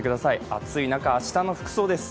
暑い中、明日の服装です。